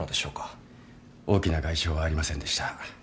大きな外傷はありませんでした。